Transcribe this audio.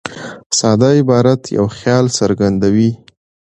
ساده عبارت یو خیال څرګندوي.